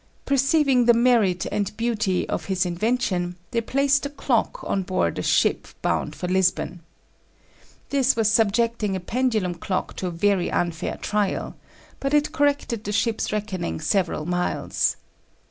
Perceiving the merit and beauty of his invention, they placed the clock on board a ship bound for Lisbon. This was subjecting a pendulum clock to a very unfair trial; but it corrected the ship's reckoning several miles.